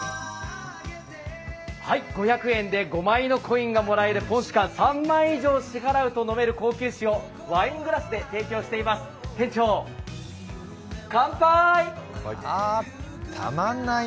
５００円で５枚のコインをもらえるぽんしゅ館３枚以上支払うと飲める高級酒をワイングラスで提供しています、店長、かんぱーい。